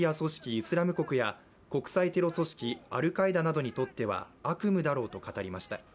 ・イスラム国や国際テロ組織・アルカイダなどにとっては悪夢だろうと語りました。